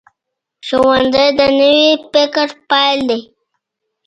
ښوونځی د نوي فکر پیل دی